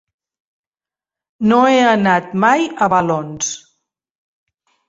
No he anat mai a Balones.